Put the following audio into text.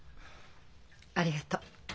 ありがとう。